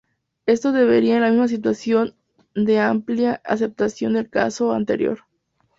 Esto deriva en la misma situación de amplia aceptación del caso anterior.